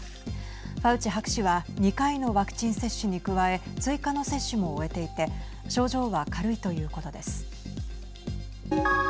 ファウチ博士は２回のワクチン接種に加え追加の接種も終えていて症状は軽いということです。